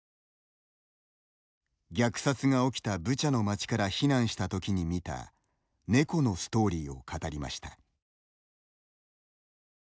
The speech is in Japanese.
虐殺が起きたブチャの町から避難したときに見た「猫」のストーリーを語りました。